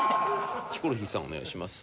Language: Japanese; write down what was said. ヒコロヒーさんお願いします。